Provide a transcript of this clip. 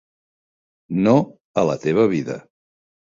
No a la teva vida.